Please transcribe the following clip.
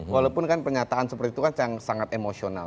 walaupun kan pernyataan seperti itu kan sangat emosional